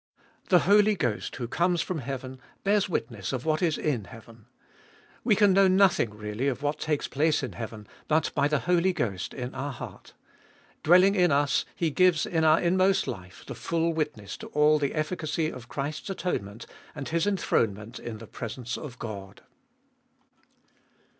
The Holy Ghost who comes from heaven, bears witness of what is in heaven. We can know nothing really of what takes place in heaven but by the Holy Ghost in our heart. Dwelling in us He gives in our inmost life the full witness to all the efficacy of Christ's atonement and His enthronement in the presence of God.